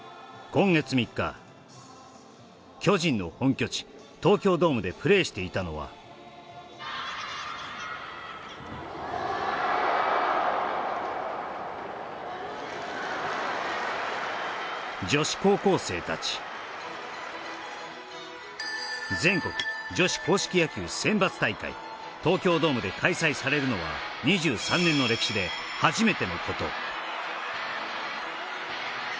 今月３日巨人の本拠地東京ドームでプレーしていたのは女子高校生たち東京ドームで開催されるのは２３年の歴史で初めてのこと